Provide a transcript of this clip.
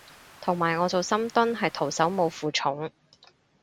同埋我做深蹲係徒手冇負重